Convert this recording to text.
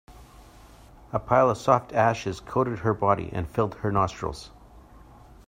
A pile of soft ashes coated her body and filled her nostrils.